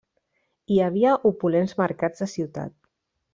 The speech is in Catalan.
Hi havia opulents mercats de ciutat.